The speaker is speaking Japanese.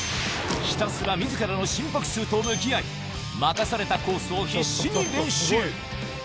ひたすらみずからの心拍数と向き合い、任されたコースを必死に練習。